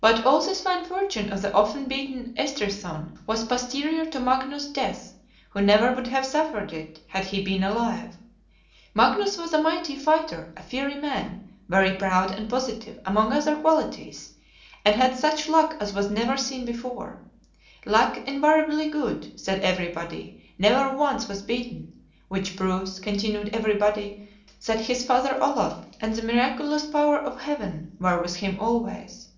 But all this fine fortune of the often beaten Estrithson was posterior to Magnus's death; who never would have suffered it, had he been alive. Magnus was a mighty fighter; a fiery man; very proud and positive, among other qualities, and had such luck as was never seen before. Luck invariably good, said everybody; never once was beaten, which proves, continued everybody, that his Father Olaf and the miraculous power of Heaven were with him always.